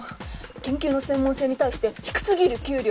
研究の専門性に対して低過ぎる給料。